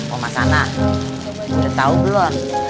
oh mas anak udah tau belum